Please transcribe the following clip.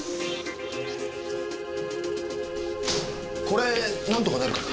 これなんとかなるかな？